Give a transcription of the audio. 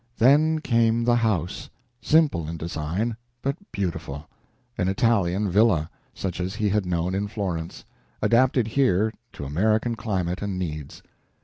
Then came the house simple in design, but beautiful an Italian villa, such as he had known in Florence, adapted here to American climate and needs.